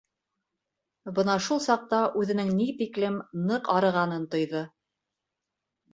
Бына шул саҡта үҙенең ни тиклем ныҡ арығанын тойҙо.